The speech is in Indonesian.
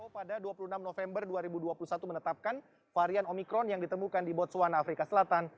pada dua puluh enam november dua ribu dua puluh satu menetapkan varian omikron yang ditemukan di botswana afrika selatan